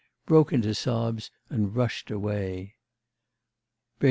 broke into sobs and rushed away.